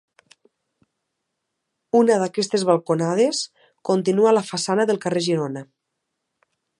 Una d'aquestes balconades continua a la façana del carrer Girona.